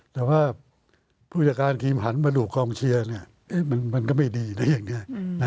แต่ว่าผู้จัดการทีมหันมาดูกองเชียร์มันก็ไม่ดีนะอย่างนี้